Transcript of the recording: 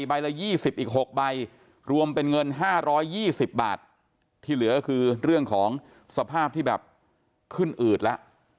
ใบละ๒๐อีก๖ใบรวมเป็นเงิน๕๒๐บาทที่เหลือคือเรื่องของสภาพที่แบบขึ้นอืดแล้ว